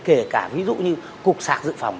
kể cả ví dụ như cục sạc dự phòng